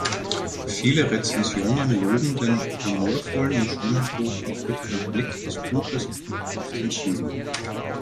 Viele Rezensionen loben den humorvollen und schonungslos aufrichtigen Blick des Buches auf den Süden.